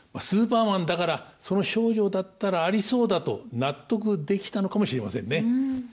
スーパーマンだからその丞相だったらありそうだと納得できたのかもしれませんね。